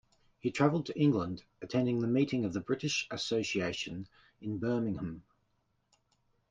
He travelled to England, attending the meeting of the British Association in Birmingham.